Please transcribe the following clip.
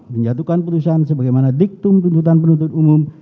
dua menjatuhkan keputusan sebagaimana diktum tuntutan penuntut umum